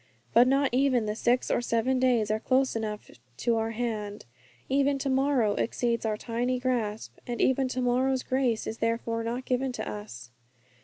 But not even the six or seven days are close enough to our hand; even to morrow exceeds our tiny grasp, and even to morrow's grace is therefore not given to us.